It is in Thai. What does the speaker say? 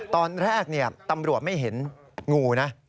ตอนแรกตำรวจไม่เห็นงูนะ